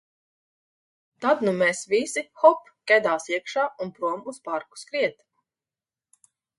Tad nu mēs visi – hop – kedās iekšā un prom uz parku skriet.